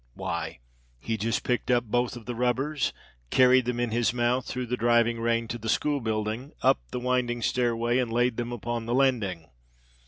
Why, he just picked up both of the rubbers, carried them in his mouth through the driving rain to the school building, up the winding stairway and laid them upon the landing.